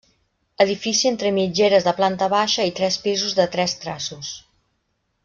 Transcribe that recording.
Edifici entre mitgeres de planta baixa i tres pisos de tres traços.